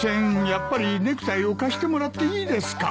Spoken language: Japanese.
やっぱりネクタイを貸してもらっていいですか？